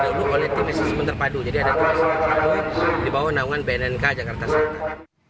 jadi ada terserah terpadu dibawah naungan bnnk jakarta selatan